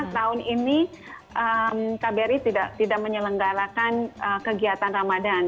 tahun ini kbri tidak menyelenggarakan kegiatan ramadan